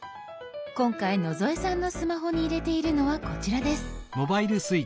今回野添さんのスマホに入れているのはこちらです。